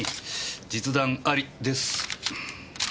実弾ありです。